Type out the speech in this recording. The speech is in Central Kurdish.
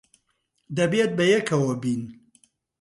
دەبێت بەیەکەوە بین.